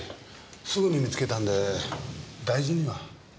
すぐに見つけたんで大事には。